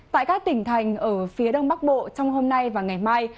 tại các tỉnh thành ở phía đông bắc bộ trong hôm nay và ngày mai